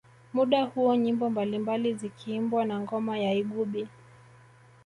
Muda huo nyimbo mbalimbali zikiimbwa na ngoma ya igubi